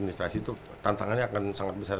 administrasi itu tantangannya akan sangat besar